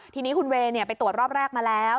ทีนี้คุณเวย์ไปตรวจรอบแรกมาแล้ว